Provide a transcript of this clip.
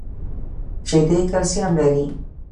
شیدې کلسیم لري